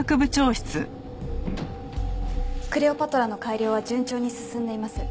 クレオパトラの改良は順調に進んでいます。